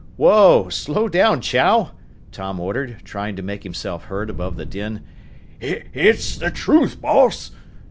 "Whoa! Slow down, Chow!" Tom ordered, trying to make himself heard above the din. "It it's the truth, boss!"